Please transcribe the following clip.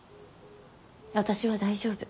私は大丈夫。